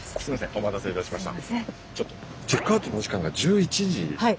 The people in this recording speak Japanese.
お待たせいたしました。